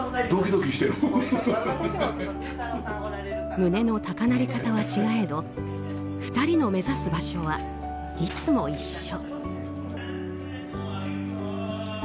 胸の高鳴り方は違えど２人の目指す場所はいつも一緒。